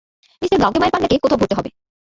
Mr গাওকে মায়ের পান্ডাকে কোথাও ভরতে হবে।